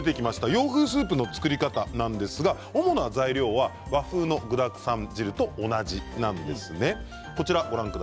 洋風スープの作り方なんですが主な材料は和風の具だくさん汁と同じなんですね。